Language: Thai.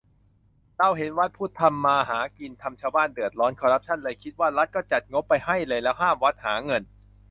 เราเห็นวัดพุทธทำมาหากิน ทำชาวบ้านเดือดร้อน คอรัปชั่น เลยคิดว่า รัฐก็จัดงบไปให้เลย แล้วห้ามวัดหาเงิน